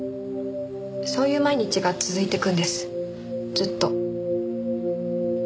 そういう毎日が続いていくんですずっと。